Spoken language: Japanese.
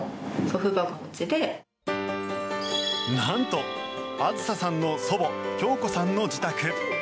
なんとあずささんの祖母恭子さんの自宅。